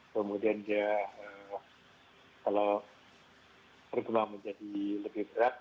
kemudian dia kalau tergema menjadi lebih berat